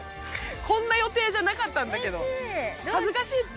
こんな予定じゃなかったんだけど恥ずかしいって。